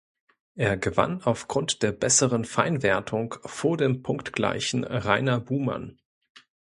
Er gewann aufgrund der besseren Feinwertung vor dem punktgleichen Rainer Buhmann.